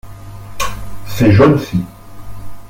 Ces jaunes-ci.